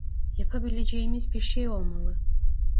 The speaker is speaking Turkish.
Yapabileceğimiz bir şey olmalı.